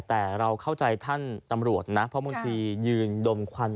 แต่เราเข้าใจท่านจริงถ้าอยู่ตรงเครื่องเงินคราวคืออยู่ท่าน